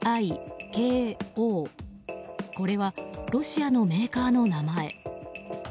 これはロシアのメーカーの名前。